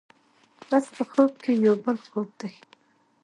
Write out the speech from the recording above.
بس په خوب کې یو بل خوب دی.